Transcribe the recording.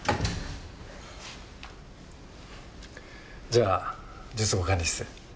じゃあ術後管理室へ。